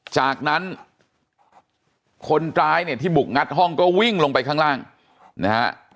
จากนั้นคนร้ายเนี่ยที่บุกงัดห้องก็วิ่งลงไปข้างล่างนะฮะ